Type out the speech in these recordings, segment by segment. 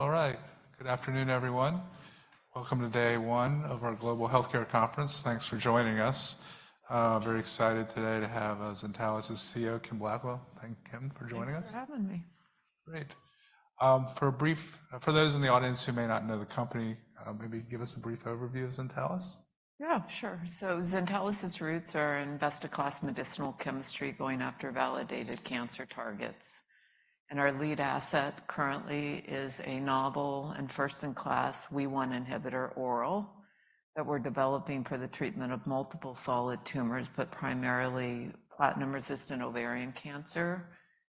All right. Good afternoon, everyone. Welcome to day one of our global healthcare conference. Thanks for joining us. Very excited today to have Zentalis's CEO, Kim Blackwell. Thank you, Kim, for joining us. Thanks for having me. Great. For those in the audience who may not know the company, maybe give us a brief overview of Zentalis. Yeah, sure. So Zentalis's roots are in best-of-class medicinal chemistry going after validated cancer targets. And our lead asset currently is a novel and first-in-class WEE1 inhibitor oral that we're developing for the treatment of multiple solid tumors, but primarily platinum-resistant ovarian cancer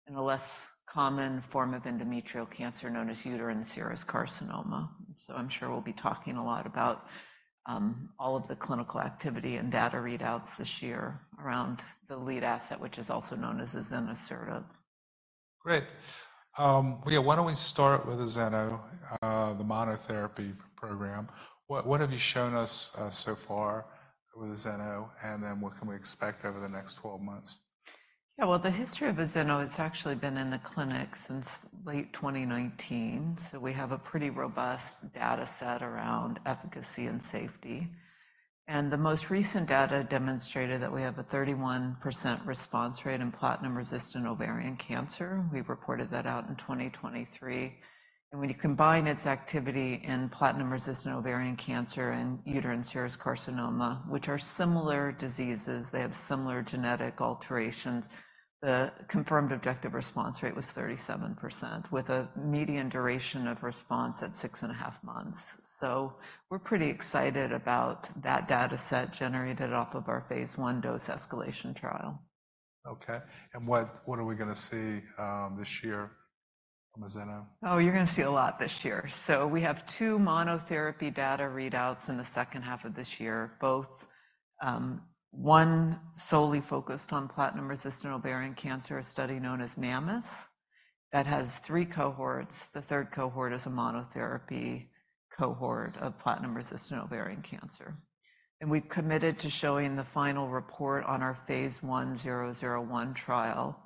and a less common form of endometrial cancer known as uterine serous carcinoma. So I'm sure we'll be talking a lot about all of the clinical activity and data readouts this year around the lead asset, which is also known as azenosertib. Great. Well, yeah, why don't we start with Zeno, the monotherapy program? What have you shown us so far with Zeno, and then what can we expect over the next 12 months? Yeah, well, the history of azenosertib has actually been in the clinic since late 2019, so we have a pretty robust data set around efficacy and safety. The most recent data demonstrated that we have a 31% response rate in platinum-resistant ovarian cancer. We reported that out in 2023. When you combine its activity in platinum-resistant ovarian cancer and uterine serous carcinoma, which are similar diseases, they have similar genetic alterations. The confirmed objective response rate was 37%, with a median duration of response at 6.5 months. We're pretty excited about that data set generated off of our phase 1 dose escalation trial. Okay. And what are we going to see this year from Zentalis? Oh, you're going to see a lot this year. We have 2 monotherapy data readouts in the second half of this year, both, one solely focused on platinum-resistant ovarian cancer, a study known as MAMMOTH, that has 3 cohorts. The third cohort is a monotherapy cohort of platinum-resistant ovarian cancer. We've committed to showing the final report on our Phase 1 001 trial.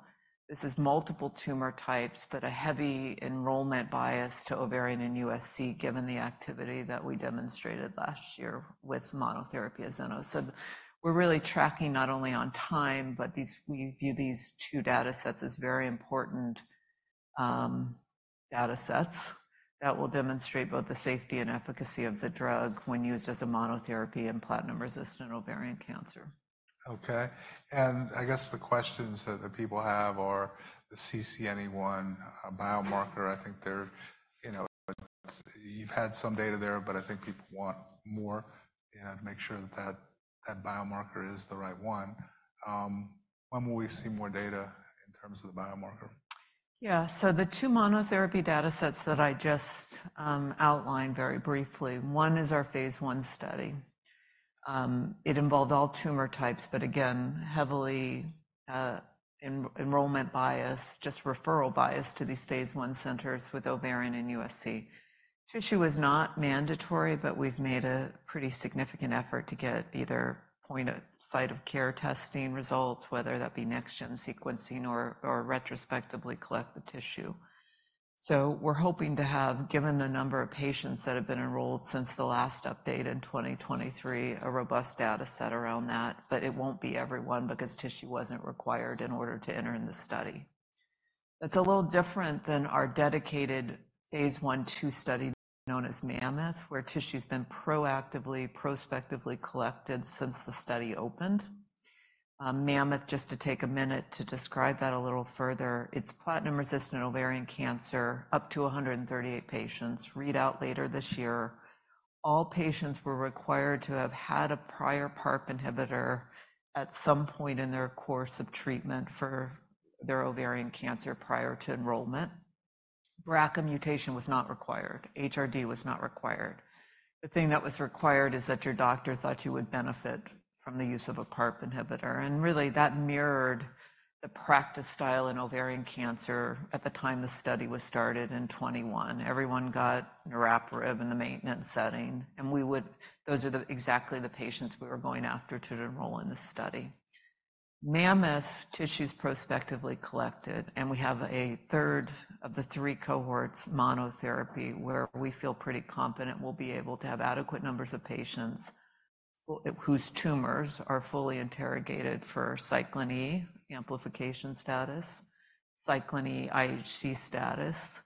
This is multiple tumor types, but a heavy enrollment bias to ovarian and USC given the activity that we demonstrated last year with monotherapy as ZN-c3. We're really tracking not only on time, but these we view these 2 data sets as very important, data sets that will demonstrate both the safety and efficacy of the drug when used as a monotherapy in platinum-resistant ovarian cancer. Okay. And I guess the questions that people have are the CCNE1 biomarker. I think there, you know, it's that you've had some data there, but I think people want more, you know, to make sure that that biomarker is the right one. When will we see more data in terms of the biomarker? Yeah, so the two monotherapy data sets that I just outlined very briefly, one is our phase 1 study. It involved all tumor types, but again, heavily enrollment bias, just referral bias to these phase 1 centers with ovarian and USC. Tissue is not mandatory, but we've made a pretty significant effort to get either point-of-care testing results, whether that be next-generation sequencing or retrospectively collect the tissue. So we're hoping to have, given the number of patients that have been enrolled since the last update in 2023, a robust data set around that, but it won't be everyone because tissue wasn't required in order to enter in the study. That's a little different than our dedicated phase 1/2 study known as MAMMOTH, where tissue's been proactively prospectively collected since the study opened. MAMMOTH, just to take a minute to describe that a little further, it's platinum-resistant ovarian cancer, up to 138 patients, readout later this year. All patients were required to have had a prior PARP inhibitor at some point in their course of treatment for their ovarian cancer prior to enrollment. BRCA mutation was not required. HRD was not required. The thing that was required is that your doctor thought you would benefit from the use of a PARP inhibitor. And really, that mirrored the practice style in ovarian cancer at the time the study was started in 2021. Everyone got a PARP inhibitor in the maintenance setting, and those are exactly the patients we were going after to enroll in this study. tissues are prospectively collected, and we have a third of the three cohorts monotherapy where we feel pretty confident we'll be able to have adequate numbers of patients whose tumors are fully interrogated for cyclin E amplification status, cyclin E IHC status.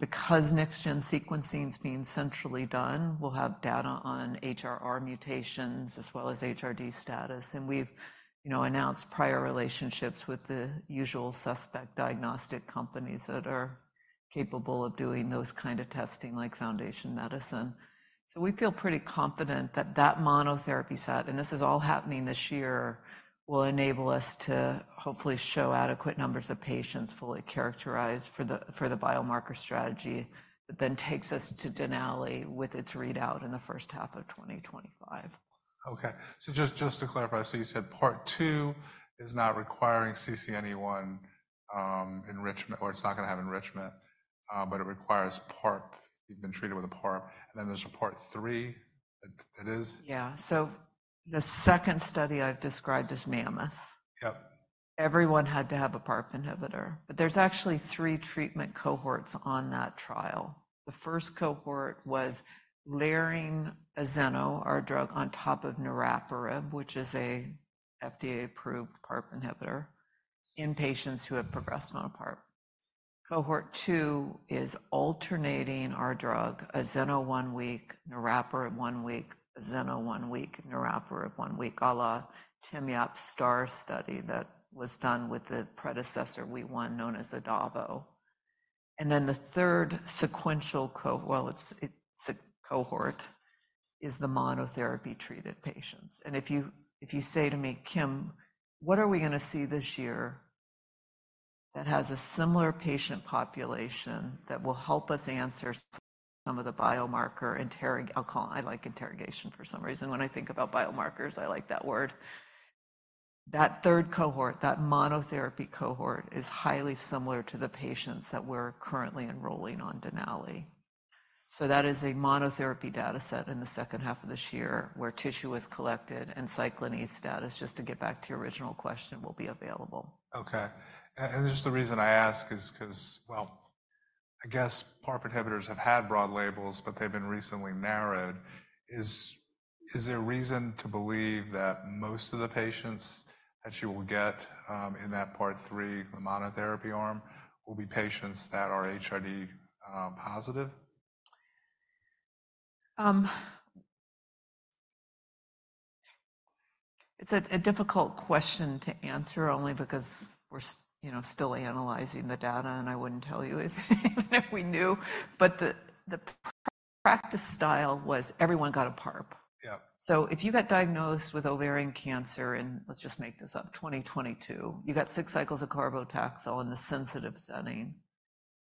Because NextGen sequencing's being centrally done, we'll have data on HRR mutations as well as HRD status. And we've, you know, announced prior relationships with the usual suspects diagnostic companies that are capable of doing those kinds of testing like Foundation Medicine. So we feel pretty confident that that monotherapy set, and this is all happening this year, will enable us to hopefully show adequate numbers of patients fully characterized for the biomarker strategy that then takes us to DENALI with its readout in the first half of 2025. Okay. So just to clarify, so you said part two is not requiring CCNE1 enrichment, or it's not going to have enrichment, but it requires PARP. You've been treated with a PARP. And then there's a part three that is? Yeah. The second study I've described is Mammoth. Yep. Everyone had to have a PARP inhibitor. But there's actually three treatment cohorts on that trial. The first cohort was layering azenosertib, our drug, on top of niraparib, which is an FDA-approved PARP inhibitor in patients who have progressed on PARP. Cohort two is alternating our drug, azenosertib one week, niraparib one week, azenosertib one week, niraparib one week, à la Temyap-STAR study that was done with the predecessor WEE1 known as adavosertib. And then the third sequential cohort, well, it's a cohort of the monotherapy treated patients. And if you say to me, "Kim, what are we going to see this year that has a similar patient population that will help us answer some of the biomarker interrogation? I'll call it interrogation for some reason. When I think about biomarkers, I like that word. That third cohort, that monotherapy cohort, is highly similar to the patients that we're currently enrolling on DENALI. So that is a monotherapy data set in the second half of this year where tissue is collected and Cyclin E status, just to get back to your original question, will be available. Okay. And just the reason I ask is because, well, I guess PARP inhibitors have had broad labels, but they've been recently narrowed. Is there reason to believe that most of the patients that you will get, in that part three, the monotherapy arm, will be patients that are HRD, positive? It's a difficult question to answer only because we're, you know, still analyzing the data, and I wouldn't tell you if we knew. But the practice style was everyone got a PARP. Yep. So if you got diagnosed with ovarian cancer in, let's just make this up, 2022, you got six cycles of carbotaxol in the sensitive setting,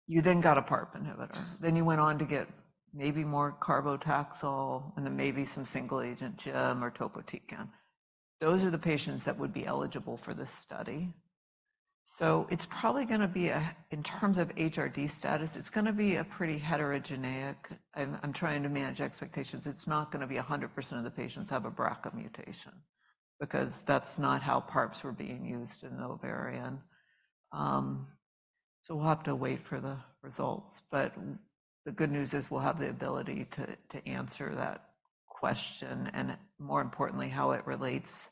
you then got a PARP inhibitor. Then you went on to get maybe more carbotaxol and then maybe some single-agent gemcitabine or topotecan. Those are the patients that would be eligible for this study. So it's probably going to be a in terms of HRD status, it's going to be a pretty heterogeneous. I'm trying to manage expectations. It's not going to be 100% of the patients have a BRCA mutation because that's not how PARPs were being used in the ovarian. So we'll have to wait for the results. But the good news is we'll have the ability to, to answer that question and, more importantly, how it relates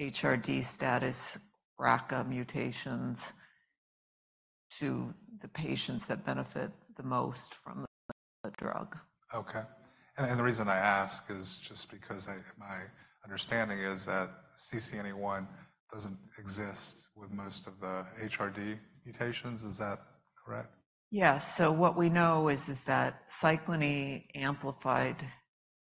HRD status, BRCA mutations to the patients that benefit the most from the drug. Okay. The reason I ask is just because my understanding is that CCNE1 doesn't exist with most of the HRD mutations. Is that correct? Yes. So what we know is that cyclin E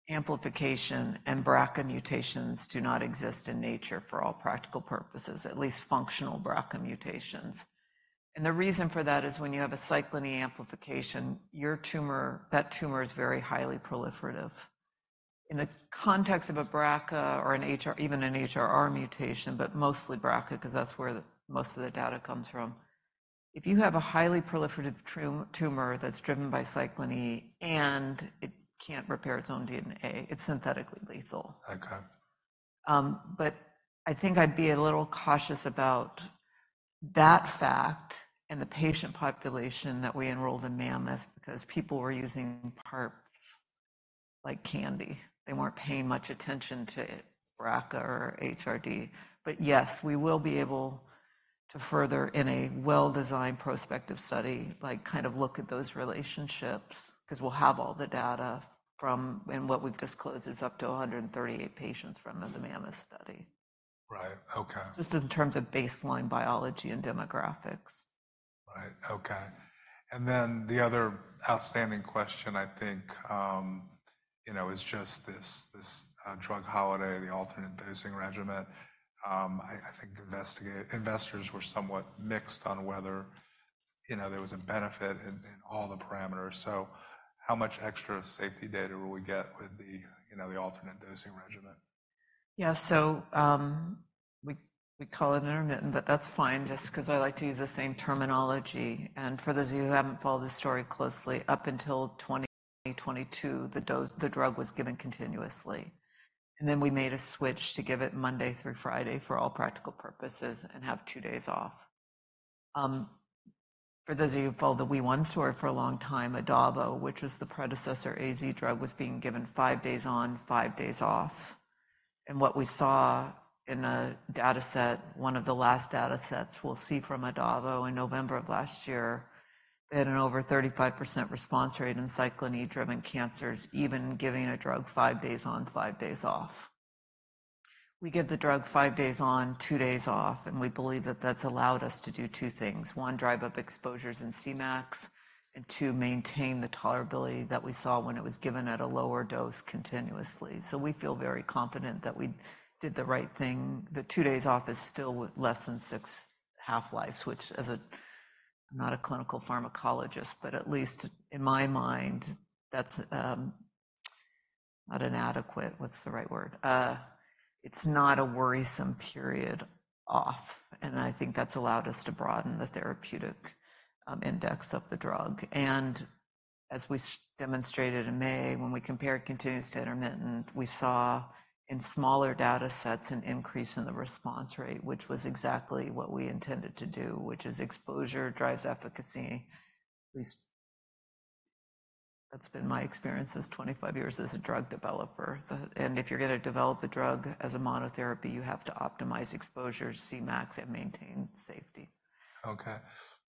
amplification and BRCA mutations do not exist in nature for all practical purposes, at least functional BRCA mutations. And the reason for that is when you have a cyclin E amplification, your tumor is very highly proliferative. In the context of a BRCA or an HR, even an HRR mutation, but mostly BRCA because that's where most of the data comes from, if you have a highly proliferative tumor that's driven by cyclin E and it can't repair its own DNA, it's synthetically lethal. Okay. But I think I'd be a little cautious about that fact and the patient population that we enrolled in MAMMOTH because people were using PARPs like candy. They weren't paying much attention to BRCA or HRD. But yes, we will be able to further, in a well-designed prospective study, like, kind of look at those relationships because we'll have all the data from and what we've disclosed is up to 138 patients from the MAMMOTH study. Right. Okay. Just in terms of baseline biology and demographics. Right. Okay. And then the other outstanding question, I think, you know, is just this drug holiday, the alternate dosing regimen. I think institutional investors were somewhat mixed on whether, you know, there was a benefit in all the parameters. So how much extra safety data will we get with the, you know, the alternate dosing regimen? Yeah. So, we call it intermittent, but that's fine just because I like to use the same terminology. For those of you who haven't followed this story closely, up until 2022, the dose the drug was given continuously. Then we made a switch to give it Monday through Friday for all practical purposes and have two days off. For those of you who followed the WEE1 story for a long time, adavosertib, which was the predecessor AZ drug, was being given five days on, five days off. And what we saw in a data set, one of the last data sets we'll see from adavosertib in November of last year, they had an over 35% response rate in cyclin E driven cancers, even giving a drug five days on, five days off. We give the drug five days on, two days off, and we believe that that's allowed us to do two things. One, drive up exposures in CMAX, and two, maintain the tolerability that we saw when it was given at a lower dose continuously. So we feel very confident that we did the right thing. The two days off is still less than six half-lives, which, as a, I'm not a clinical pharmacologist, but at least in my mind, that's not an adequate what's the right word? It's not a worrisome period off. And I think that's allowed us to broaden the therapeutic index of the drug. And as we demonstrated in May, when we compared continuous to intermittent, we saw in smaller data sets an increase in the response rate, which was exactly what we intended to do, which is exposure drives efficacy. At least that's been my experience as 25 years as a drug developer. If you're going to develop a drug as a monotherapy, you have to optimize exposures, CMAX, and maintain safety. Okay.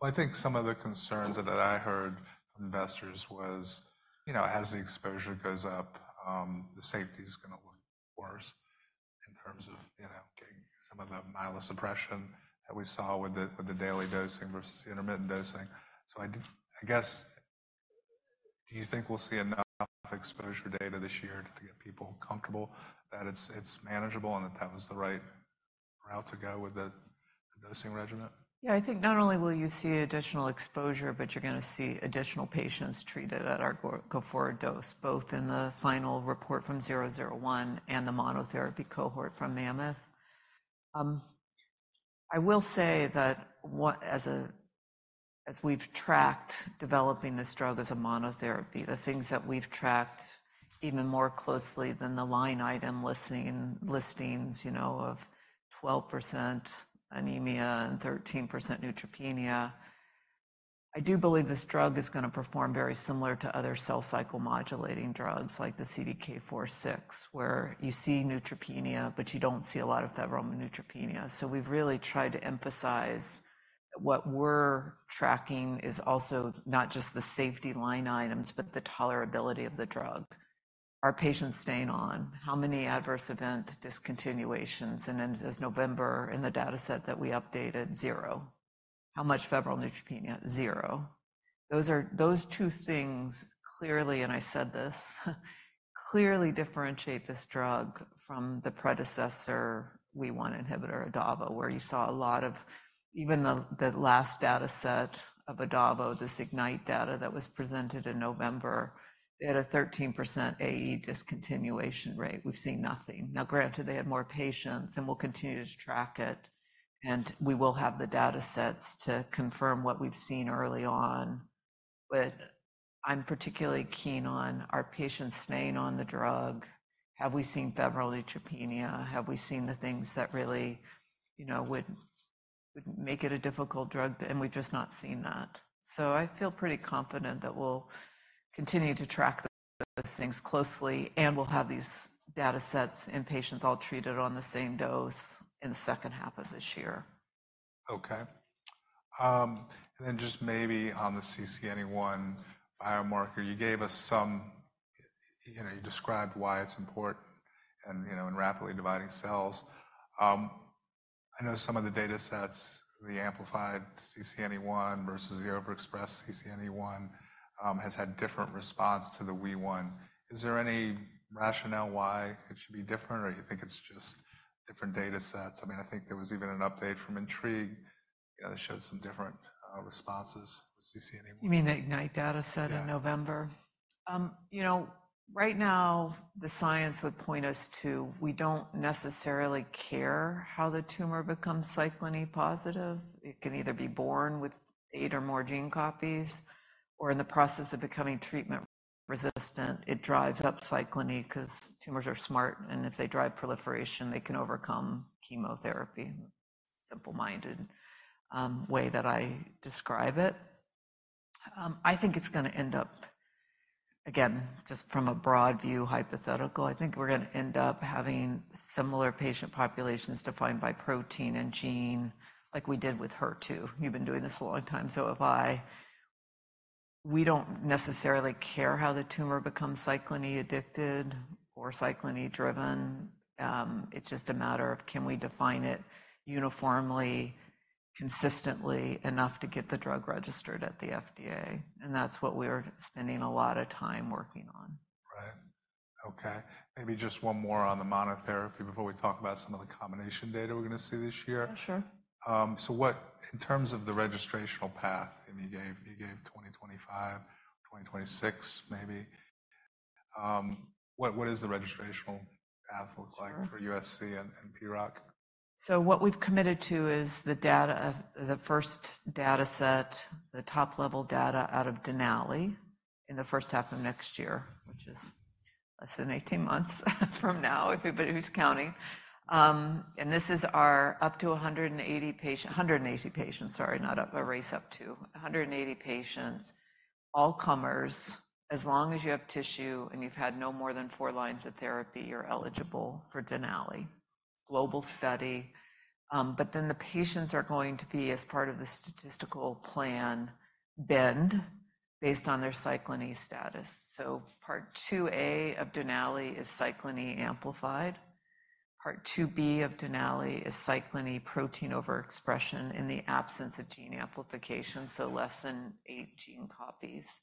Well, I think some of the concerns that I heard from investors was, you know, as the exposure goes up, the safety's going to look worse in terms of, you know, getting some of the myelosuppression that we saw with the with the daily dosing versus the intermittent dosing. So I did I guess, do you think we'll see enough exposure data this year to get people comfortable that it's, it's manageable and that that was the right route to go with the dosing regimen? Yeah. I think not only will you see additional exposure, but you're going to see additional patients treated at our go-forward dose, both in the final report from 001 and the monotherapy cohort from MAMMOTH. I will say that, as we've tracked developing this drug as a monotherapy, the things that we've tracked even more closely than the line item listings, you know, of 12% anemia and 13% neutropenia, I do believe this drug is going to perform very similar to other cell cycle modulating drugs like the CDK4/6, where you see neutropenia, but you don't see a lot of febrile neutropenia. So we've really tried to emphasize that what we're tracking is also not just the safety line items, but the tolerability of the drug. Are patients staying on? How many adverse event discontinuations? And as of November, in the data set that we updated, zero. How much febrile neutropenia? Zero. Those are those two things clearly, and I said this, clearly differentiate this drug from the predecessor WEE1 inhibitor, adavosertib, where you saw a lot of even the last data set of adavosertib, this IGNITE data that was presented in November, they had a 13% AE discontinuation rate. We've seen nothing. Now, granted, they had more patients, and we'll continue to track it. And we will have the data sets to confirm what we've seen early on. But I'm particularly keen on are patients staying on the drug? Have we seen febrile neutropenia? Have we seen the things that really, you know, would make it a difficult drug? And we've just not seen that. I feel pretty confident that we'll continue to track those things closely, and we'll have these data sets in patients all treated on the same dose in the second half of this year. Okay. And then just maybe on the CCNE1 biomarker, you gave us some, you know, you described why it's important and, you know, in rapidly dividing cells. I know some of the data sets, the amplified CCNE1 versus the overexpressed CCNE1, has had different response to the WEE1. Is there any rationale why it should be different, or do you think it's just different data sets? I mean, I think there was even an update from Intrigue, you know, that showed some different responses with CCNE1. You mean the IGNITE data set in November? Yeah. You know, right now, the science would point us to we don't necessarily care how the tumor becomes cyclin E positive. It can either be born with eight or more gene copies or in the process of becoming treatment resistant, it drives up cyclin E because tumors are smart, and if they drive proliferation, they can overcome chemotherapy. Simple-minded way that I describe it. I think it's going to end up, again, just from a broad view, hypothetical, I think we're going to end up having similar patient populations defined by protein and gene like we did with HER2. You've been doing this a long time. So if I we don't necessarily care how the tumor becomes cyclin E addicted or cyclin E driven. It's just a matter of can we define it uniformly, consistently enough to get the drug registered at the FDA? That's what we are spending a lot of time working on. Right. Okay. Maybe just one more on the monotherapy before we talk about some of the combination data we're going to see this year. Sure. What in terms of the registration path, I mean, you gave 2025, 2026 maybe. What does the registration path look like for USC and PROC? So what we've committed to is the data of the first data set, the top-level data out of Denali in the first half of next year, which is less than 18 months from now, if anybody who's counting. And this is our up to 180 patients 180 patients, sorry, not a race up to 180 patients, all-comers, as long as you have tissue and you've had no more than 4 lines of therapy, you're eligible for Denali. Global study. But then the patients are going to be, as part of the statistical plan, binned based on their cyclin E status. So Part 2A of Denali is cyclin E amplified. Part 2B of Denali is cyclin E protein overexpression in the absence of gene amplification, so less than 8 gene copies.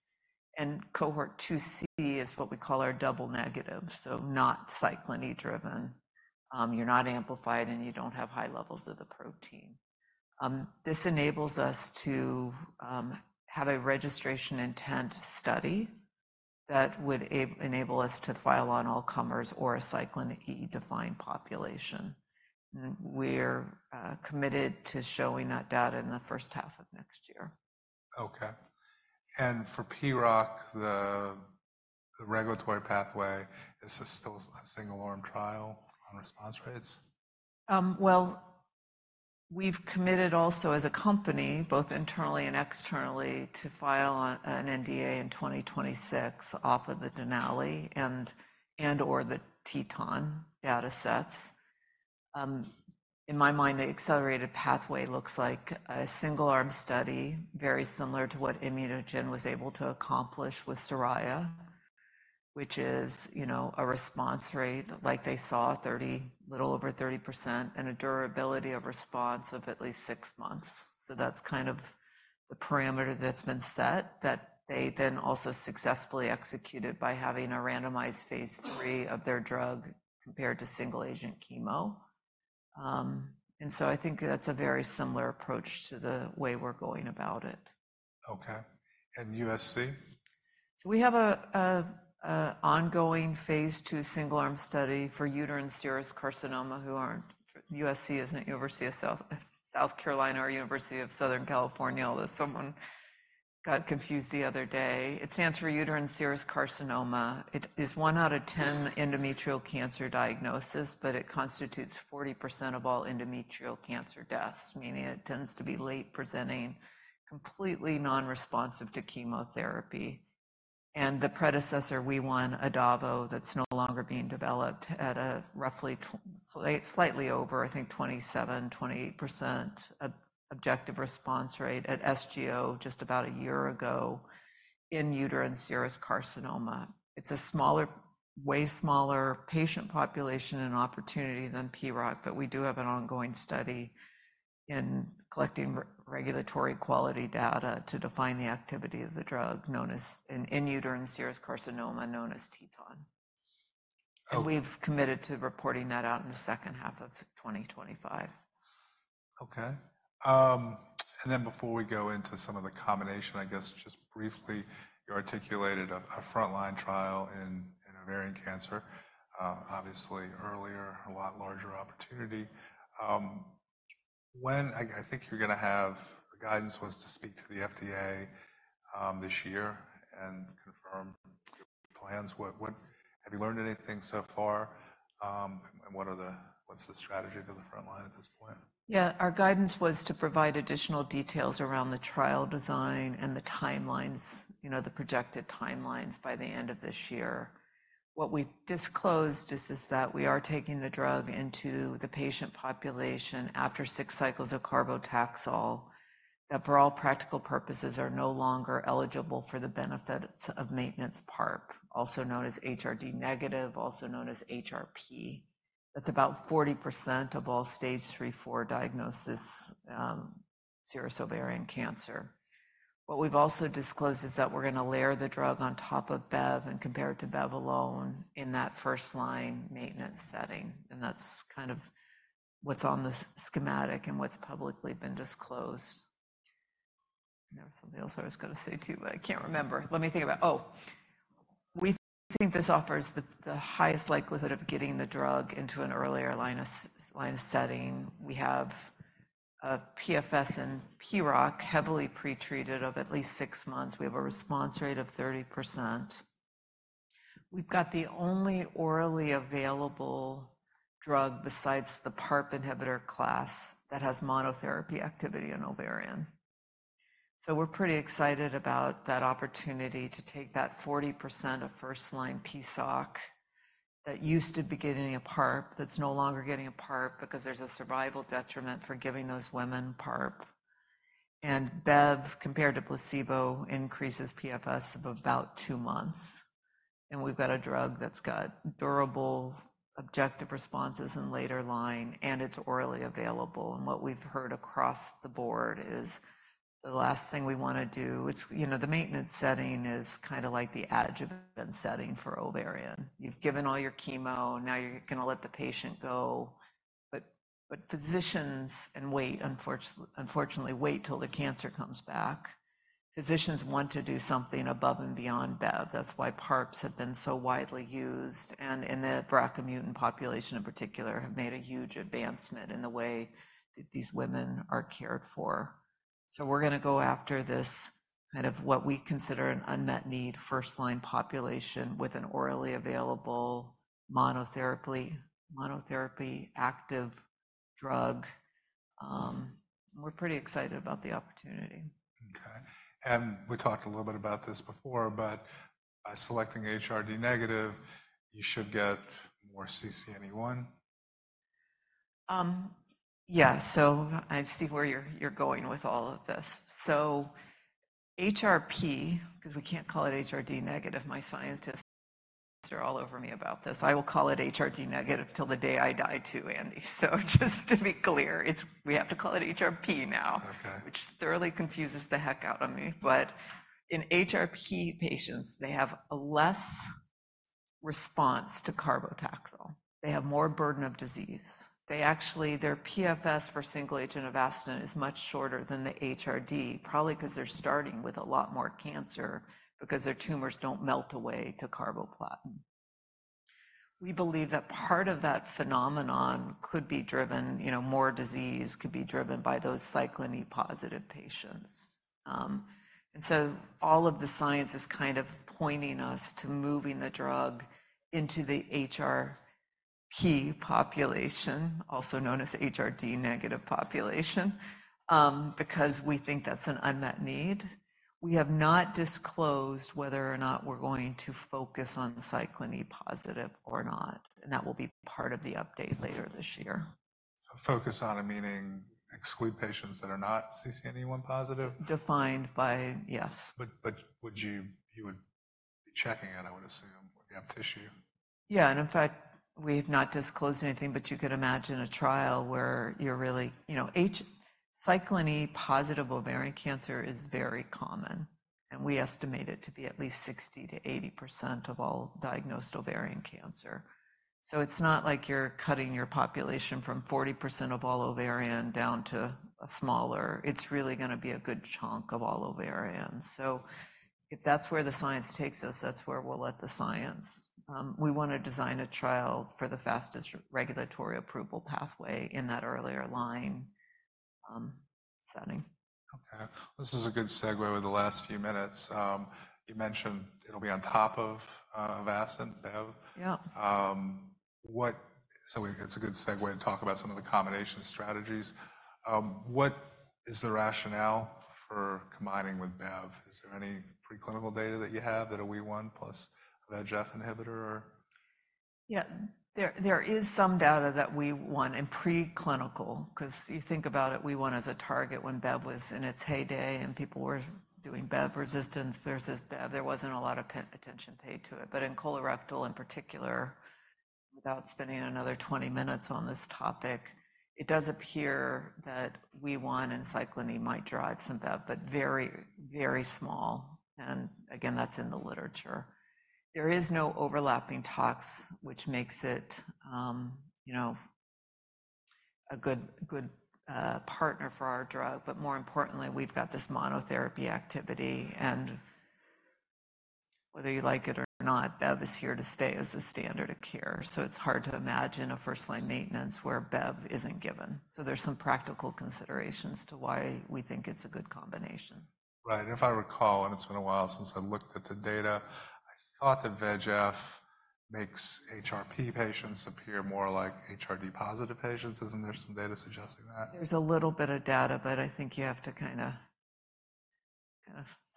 And cohort 2C is what we call our double negative, so not cyclin E driven. You're not amplified and you don't have high levels of the protein. This enables us to have a registration intent study that would enable us to file on all-comers or a Cyclin E defined population. And we're committed to showing that data in the first half of next year. Okay. For PROC, the regulatory pathway, is this still a single-arm trial on response rates? Well, we've committed also as a company, both internally and externally, to file on an NDA in 2026 off of the DENALI and/or the TETON data sets. In my mind, the accelerated pathway looks like a single-arm study very similar to what ImmunoGen was able to accomplish with SORAYA, which is, you know, a response rate like they saw, 30, a little over 30%, and a durability of response of at least six months. So that's kind of the parameter that's been set that they then also successfully executed by having a randomized Phase III of their drug compared to single-agent chemo. And so I think that's a very similar approach to the way we're going about it. Okay. And USC? So we have an ongoing phase 2 single-arm study for uterine serous carcinoma, which is USC, isn't it? University of South Carolina or University of Southern California. Although someone got confused the other day. It stands for uterine serous carcinoma. It is one out of 10 endometrial cancer diagnoses, but it constitutes 40% of all endometrial cancer deaths, meaning it tends to be late presenting, completely non-responsive to chemotherapy. And the predecessor WEE1 [inhibitor], adavosertib, that's no longer being developed had a roughly slightly over, I think, 27%-28% objective response rate at SGO just about a year ago in uterine serous carcinoma. It's a smaller way smaller patient population and opportunity than PROC, but we do have an ongoing study in collecting regulatory quality data to define the activity of the drug known as in uterine serous carcinoma known as TETON. We've committed to reporting that out in the second half of 2025. Okay. And then before we go into some of the combination, I guess just briefly, you articulated a frontline trial in ovarian cancer. Obviously earlier, a lot larger opportunity. When I think you're going to have the guidance was to speak to the FDA this year and confirm plans. What have you learned anything so far? And what's the strategy for the frontline at this point? Yeah. Our guidance was to provide additional details around the trial design and the timelines, you know, the projected timelines by the end of this year. What we've disclosed is that we are taking the drug into the patient population after six cycles of carbotaxol that for all practical purposes are no longer eligible for the benefits of maintenance PARP, also known as HRD negative, also known as HRP. That's about 40% of all stage three, four diagnosis, serous ovarian cancer. What we've also disclosed is that we're going to layer the drug on top of BEV and compare it to BEV alone in that first line maintenance setting. And that's kind of what's on the schematic and what's publicly been disclosed. There was something else I was going to say too, but I can't remember. Let me think about it. Oh. We think this offers the highest likelihood of getting the drug into an earlier line of setting. We have a PFS and PROC heavily pretreated of at least 6 months. We have a response rate of 30%. We've got the only orally available drug besides the PARP inhibitor class that has monotherapy activity in ovarian. So we're pretty excited about that opportunity to take that 40% of first-line PSOC that used to be getting a PARP that's no longer getting a PARP because there's a survival detriment for giving those women PARP. And BEV compared to placebo increases PFS of about 2 months. And we've got a drug that's got durable objective responses in later line and it's orally available. And what we've heard across the board is the last thing we want to do it's, you know, the maintenance setting is kind of like the adjuvant setting for ovarian. You've given all your chemo, now you're going to let the patient go. But physicians, unfortunately, wait till the cancer comes back. Physicians want to do something above and beyond BEV. That's why PARPs have been so widely used and in the BRCA mutant population in particular have made a huge advancement in the way that these women are cared for. So we're going to go after this kind of what we consider an unmet need first-line population with an orally available monotherapy active drug. We're pretty excited about the opportunity. Okay. We talked a little bit about this before, but selecting HRD negative, you should get more CCNE1? Yeah. So I see where you're going with all of this. So HRP, because we can't call it HRD negative, my scientists are all over me about this. I will call it HRD negative till the day I die too, Andy. So just to be clear, it's we have to call it HRP now, which thoroughly confuses the heck out of me. But in HRP patients, they have less response to carbotaxol. They have more burden of disease. They actually, their PFS for single-agent Avastin is much shorter than the HRD, probably because they're starting with a lot more cancer because their tumors don't melt away to carboplatin. We believe that part of that phenomenon could be driven, you know, more disease could be driven by those cyclin E positive patients. So all of the science is kind of pointing us to moving the drug into the HRP population, also known as HRD-negative population, because we think that's an unmet need. We have not disclosed whether or not we're going to focus on Cyclin E positive or not. That will be part of the update later this year. Focus on it meaning exclude patients that are not CCNE1 positive? Defined by, yes. But would you would be checking it, I would assume, when you have tissue? Yeah. And in fact, we have not disclosed anything, but you could imagine a trial where you're really, you know, cyclin E positive ovarian cancer is very common. And we estimate it to be at least 60%-80% of all diagnosed ovarian cancer. So it's not like you're cutting your population from 40% of all ovarian down to a smaller. It's really going to be a good chunk of all ovarians. So if that's where the science takes us, that's where we'll let the science. We want to design a trial for the fastest regulatory approval pathway in that earlier line, setting. Okay. This is a good segue with the last few minutes. You mentioned it'll be on top of Avastin, BEV. Yeah. What? So it's a good segue to talk about some of the combination strategies. What is the rationale for combining with BEV? Is there any preclinical data that you have that a WEE1 plus a VEGF inhibitor or? Yeah. There is some data that WEE1 in preclinical because you think about it WEE1 as a target when BEV was in its heyday and people were doing BEV resistance versus BEV. There wasn't a lot of attention paid to it. But in colorectal in particular, without spending another 20 minutes on this topic, it does appear that WEE1 and Cyclin E might drive some BEV, but very, very small. And again, that's in the literature. There is no overlapping tox, which makes it, you know, a good, good, partner for our drug. But more importantly, we've got this monotherapy activity. And whether you like it or not, BEV is here to stay as a standard of care. So it's hard to imagine a first-line maintenance where BEV isn't given. So there's some practical considerations to why we think it's a good combination. Right. And if I recall, and it's been a while since I looked at the data, I thought the VEGF makes HRP patients appear more like HRD positive patients. Isn't there some data suggesting that? There's a little bit of data, but I think you have to kind of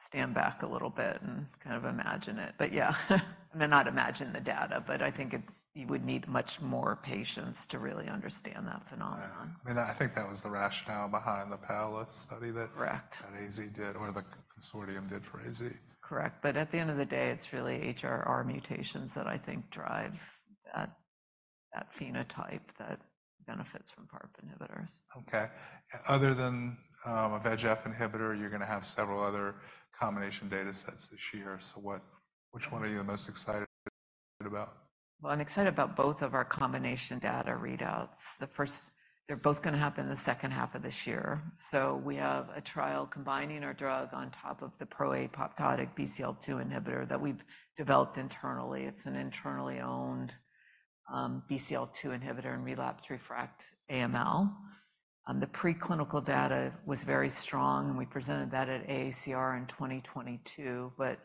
stand back a little bit and kind of imagine it. But yeah. I mean, not imagine the data, but I think it, you would need much more patients to really understand that phenomenon. I mean, I think that was the rationale behind the PALS study that AZ did or the consortium did for AZ. Correct. But at the end of the day, it's really HRR mutations that I think drive that phenotype that benefits from PARP inhibitors. Okay. Other than a VEGF inhibitor, you're going to have several other combination data sets this year. So which one are you the most excited about? Well, I'm excited about both of our combination data readouts. The first, they're both going to happen the second half of this year. So we have a trial combining our drug on top of the proapoptotic BCL2 inhibitor that we've developed internally. It's an internally owned BCL2 inhibitor and relapsed refractory AML. The preclinical data was very strong and we presented that at AACR in 2022, but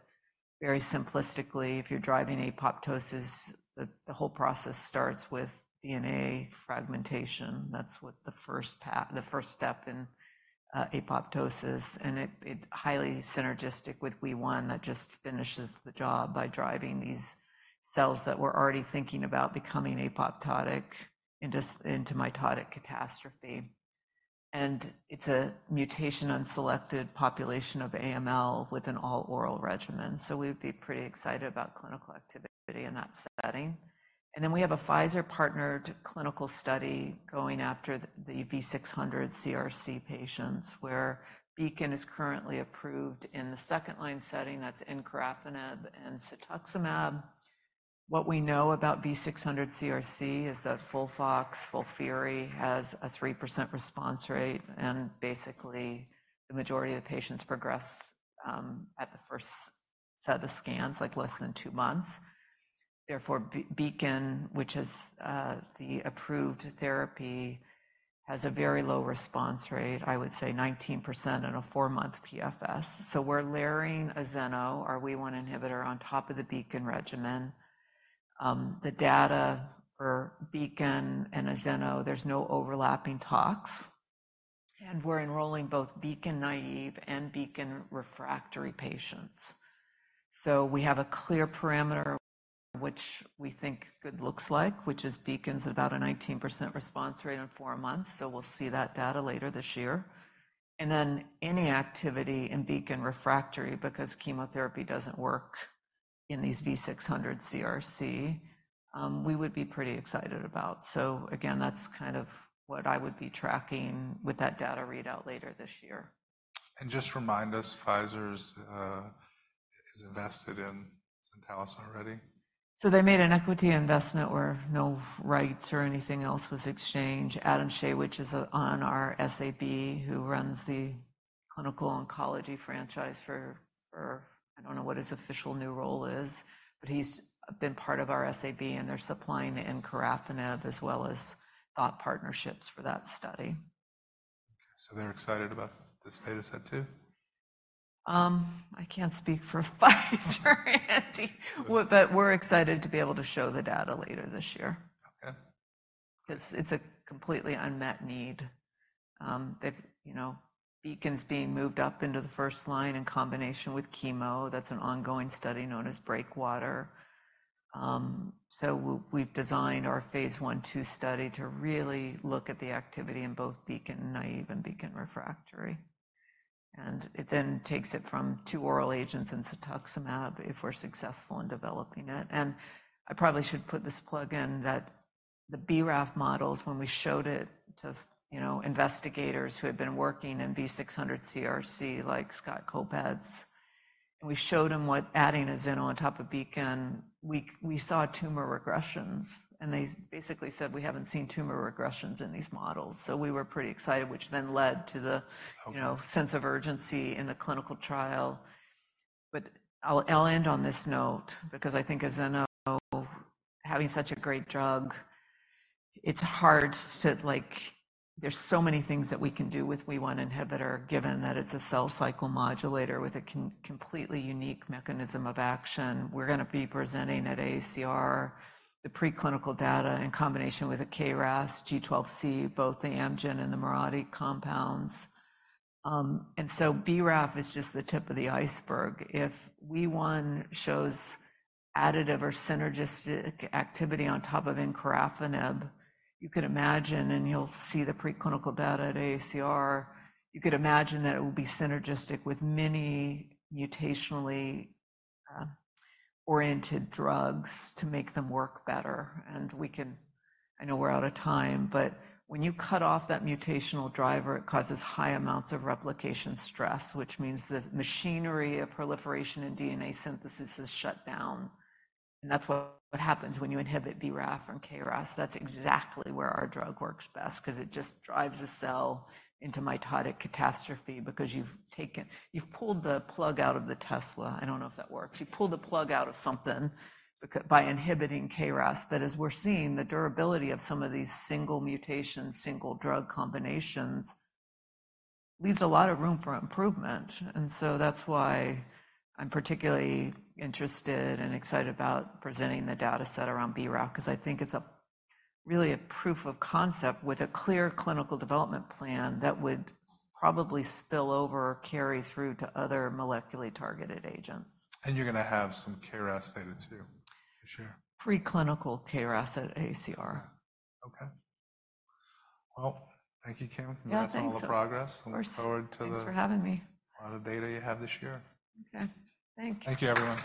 very simplistically, if you're driving apoptosis, the whole process starts with DNA fragmentation. That's what the first step in apoptosis and it's highly synergistic with WEE1 that just finishes the job by driving these cells that we're already thinking about becoming apoptotic into mitotic catastrophe. And it's a mutation unselected population of AML with an all-oral regimen. So we'd be pretty excited about clinical activity in that setting. Then we have a Pfizer-partnered clinical study going after the BRAF V600E CRC patients where BEACON is currently approved in the second-line setting. That's encorafenib and cetuximab. What we know about BRAF V600E CRC is that FOLFOX, FOLFIRI has a 3% response rate and basically the majority of the patients progress at the first set of scans, like less than 2 months. Therefore, BEACON, which is the approved therapy, has a very low response rate, I would say 19% in a 4-month PFS. So we're layering azeno, our WEE1 inhibitor, on top of the BEACON regimen. The data for BEACON and azeno, there's no overlapping tox. And we're enrolling both BEACON naive and BEACON refractory patients. So we have a clear parameter, which we think good looks like, which is BEACON's about a 19% response rate in 4 months. So we'll see that data later this year. Then any activity in BEACON refractory because chemotherapy doesn't work in these V600E CRC, we would be pretty excited about. Again, that's kind of what I would be tracking with that data readout later this year. Just remind us, Pfizer's invested in Zentalis already? They made an equity investment where no rights or anything else was exchanged. Adam Schay, which is on our SAB, who runs the clinical oncology franchise for I don't know what his official new role is, but he's been part of our SAB and they're supplying the encorafenib as well as thought partnerships for that study. Okay. So they're excited about this data set too? I can't speak for Pfizer, Andy, but we're excited to be able to show the data later this year. Okay. Because it's a completely unmet need. They've, you know, BEACON's being moved up into the first line in combination with chemo. That's an ongoing study known as Breakwater. So we've designed our phase 1, 2 study to really look at the activity in both BEACON naive and BEACON refractory. And it then takes it from two oral agents and cetuximab if we're successful in developing it. And I probably should put this plug in that the BRAF models, when we showed it to, you know, investigators who had been working in V600E CRC like Scott Kopetz, and we showed them what adding a Zeno on top of BEACON, we saw tumor regressions. And they basically said, "We haven't seen tumor regressions in these models." So we were pretty excited, which then led to the, you know, sense of urgency in the clinical trial. But I'll end on this note because I think Zentalis, having such a great drug, it's hard to like, there's so many things that we can do with WEE1 inhibitor given that it's a cell cycle modulator with a completely unique mechanism of action. We're going to be presenting at AACR the preclinical data in combination with a KRAS G12C, both the Amgen and the Mirati compounds. And so BRAF is just the tip of the iceberg. If WEE1 shows additive or synergistic activity on top of encorafenib, you could imagine, and you'll see the preclinical data at AACR, you could imagine that it will be synergistic with many mutationally oriented drugs to make them work better. And we can. I know we're out of time, but when you cut off that mutational driver, it causes high amounts of replication stress, which means the machinery of proliferation and DNA synthesis is shut down. And that's what happens when you inhibit BRAF and KRAS. That's exactly where our drug works best because it just drives a cell into mitotic catastrophe because you've pulled the plug out of the Tesla. I don't know if that works. You pulled the plug out of something by inhibiting KRAS. But as we're seeing, the durability of some of these single mutations, single drug combinations, leaves a lot of room for improvement. And so that's why I'm particularly interested and excited about presenting the data set around BRAF because I think it's really a proof of concept with a clear clinical development plan that would probably spill over, carry through to other molecularly targeted agents. You're going to have some KRAS data too for sure. Preclinical KRAS at AACR. Okay. Well, thank you, Kim. That's all the progress. Looking forward to the. Thanks for having me. A lot of data you have this year. Okay. Thank you. Thank you, everyone.